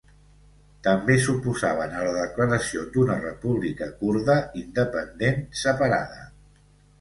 També s'oposaven a la declaració d'una república kurda independent separada.